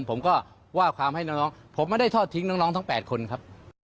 ผมก็ว่าความให้น้องผมไม่ได้ทอดทิ้งน้องทั้ง๘คนครับ